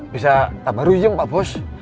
bisa tambah rujung pak bos